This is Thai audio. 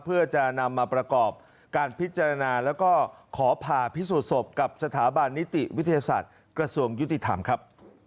เพื่อจะนำมาประกอบการพิจารณาแล้วก็ขอผ่าพิสูจนศพกับสถาบันนิติวิทยาศาสตร์กระทรวงยุติธรรมครับ